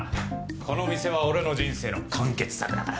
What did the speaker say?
この店は俺の人生の完結作だから。